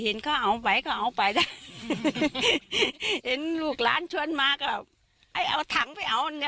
เห็นเขาเอาไปเขาเอาไปนะเห็นลูกหลานชวนมาก็ไอ้เอาถังไปเอาเนี่ย